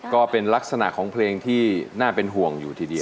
ก็เป็นลักษณะของเพลงที่น่าเป็นห่วงอยู่ทีเดียว